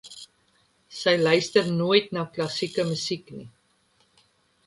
Sy luister nooit na klassieke musiek nie